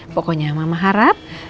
pokoknya mama harap